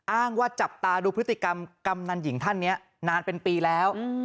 อ้างว่าจับตาดูพฤติกรรมกำนันหญิงท่านนี้นานเป็นปีแล้ว